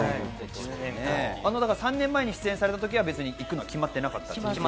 ３年前に出演された時には行くのは決まってなかったんですね。